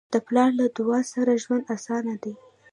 د پلار له دعاؤ سره ژوند اسانه دی.